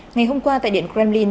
ngày hôm qua tại điện kremlin